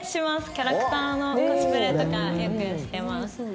キャラクターのコスプレとかよくしてます。